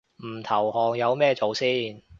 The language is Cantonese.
唔投降有咩做先